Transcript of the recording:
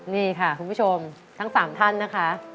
นี่ค่ะคุณผู้ชมทั้ง๓ท่านนะคะ